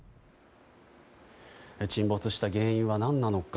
沈没した原因は何なのか。